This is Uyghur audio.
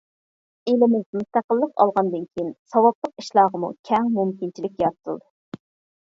ئېلىمىز مۇستەقىللىق ئالغاندىن كېيىن، ساۋابلىق ئىشلارغىمۇ كەڭ مۇمكىنچىلىك يارىتىلدى.